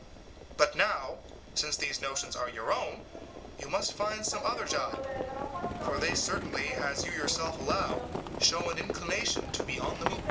But now, since these notions are your own, you must find some other gibe, for they certainly, as you yourself allow, show an inclination to be on the move.